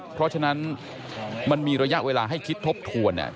เพราะฉะนั้นมันมีระยะเวลาให้คิดทบทวน